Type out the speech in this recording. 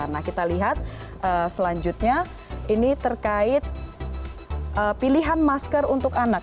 nah kita lihat selanjutnya ini terkait pilihan masker untuk anak